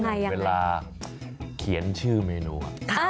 เวลาเขียนชื่อเมนู